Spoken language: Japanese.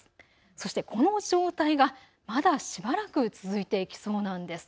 そしてこの状態がまだしばらく続いていきそうなんです。